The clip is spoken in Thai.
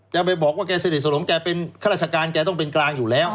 ไปบอกว่าแกสนิทสนมแกเป็นข้าราชการแกต้องเป็นกลางอยู่แล้ว